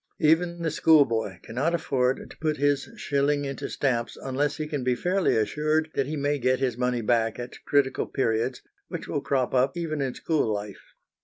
Even the schoolboy cannot afford to put his shilling into stamps unless he can be fairly assured that he may get his money back at critical periods, which will crop up even in school life.